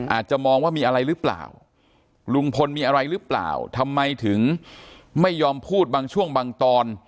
อาจจะมองว่ามีอะไรหรือเปล่าลุงพลมีอะไรหรือเปล่าทำไมถึงไม่ยอมพูดบางช่วงบางตอน